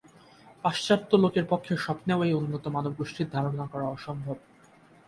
পাশ্চাত্য লোকের পক্ষে স্বপ্নেও এই উন্নত মানবগোষ্ঠীর ধারণা করা অসম্ভব।